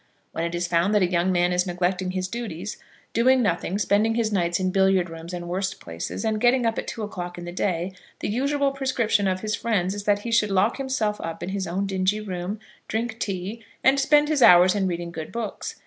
When it is found that a young man is neglecting his duties, doing nothing, spending his nights in billiard rooms and worse places, and getting up at two o'clock in the day, the usual prescription of his friends is that he should lock himself up in his own dingy room, drink tea, and spend his hours in reading good books.